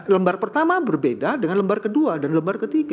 lembar pertama berbeda dengan lembar kedua dan lembar ketiga